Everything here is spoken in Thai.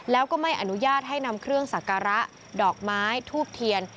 แล้วก็ไม่อนุญาตให้นำเครื่องสักการะดอกไม้ทูบเทียน